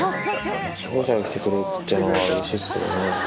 希望者が来てくれるっていうのはうれしいですよね。